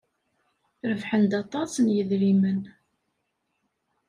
Rebḥen-d aṭas n yidrimen.